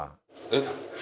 えっ？